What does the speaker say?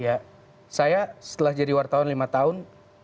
ya saya setelah jadi wartawan lima tahun